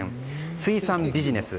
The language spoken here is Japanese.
水産ビジネス。